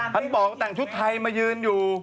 ท่านบอกแต่งชุดไทยมายืนอยู่